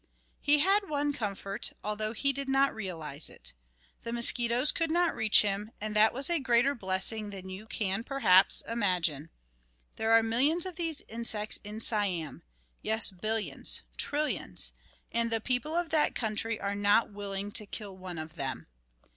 He had one comfort, although he did not realize it. The mosquitoes could not reach him, and that was a greater blessing than you can, perhaps, imagine. There are millions of these insects in Siam, yes, billions, trillions, and the people of that country are not willing to kill one of them!